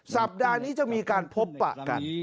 สัปดาห์นี้จะมีการพบปะกัน